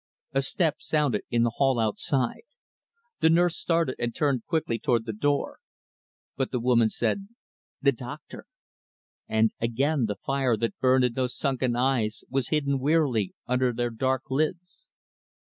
A step sounded in the hall outside. The nurse started, and turned quickly toward the door. But the woman said, "The doctor." And, again, the fire that burned in those sunken eyes was hidden wearily under their dark lids.